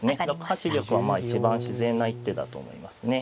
６八玉は一番自然な一手だと思いますね。